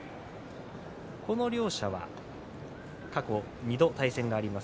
この両者は過去２度対戦があります。